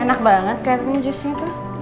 enak banget kayaknya jusnya tuh